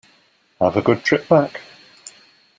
Have a good trip back.